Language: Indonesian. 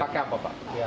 pakai apa pak